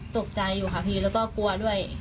ตกใจอยู่ค่ะพี่แล้วก็กลัวด้วย